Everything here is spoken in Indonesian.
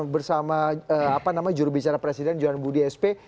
bersama jurubicara presiden johan budi sp